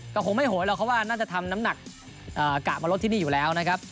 ก็คงไม่โหยหรอกเพราะว่าน่าจะทำน้ำหนักกะมาลดที่นี่อยู่แล้วนะครับ